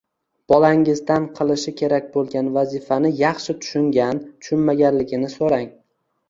Bolangizdan qilishi kerak bo‘lgan vazifani yaxshi tushungan-tushunmaganligini so‘rang.